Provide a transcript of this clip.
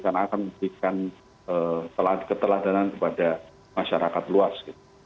karena akan memberikan keteladanan kepada masyarakat luas